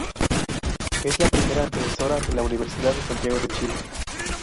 Es la primera antecesora de la Universidad de Santiago de Chile.